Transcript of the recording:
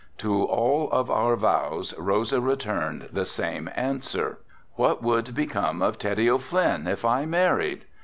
To all of our vows Rosa returned the same answer." "What would become of Teddy O'Flynn if I married?"